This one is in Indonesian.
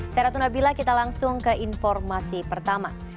saya ratuna bila kita langsung ke informasi pertama